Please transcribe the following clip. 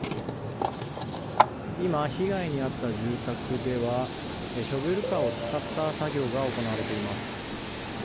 今、被害に遭った住宅ではショベルカーを使った作業が行われています。